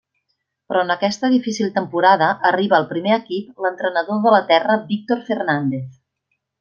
Però en aquesta difícil temporada arriba al primer equip l'entrenador de la terra Víctor Fernández.